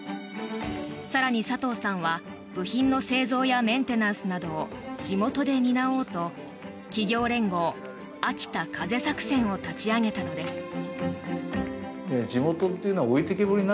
更に、佐藤さんは部品の製造やメンテナンスなどを地元で担おうと企業連合「秋田風作戦」を立ち上げたのです。